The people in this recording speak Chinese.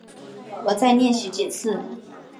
我再练习几次